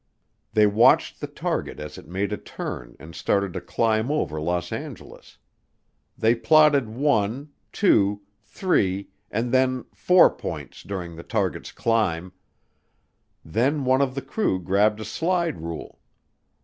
They watched the target as it made a turn and started to climb over Los Angeles. They plotted one, two, three, and then four points during the target's climb; then one of the crew grabbed a slide rule.